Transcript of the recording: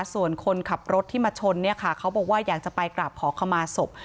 ส่วนคนขับรถที่มาชนเนี่ยค่ะเขาบอกว่าอยากจะไปกราบขอขมาศพ